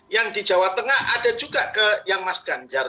yang di jawa tengah ada juga ke yang mas ganjar